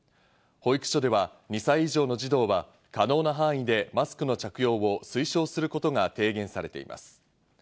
保育所では２歳以上の児童は可能な範囲でマスクの着用を推奨することが提言されています。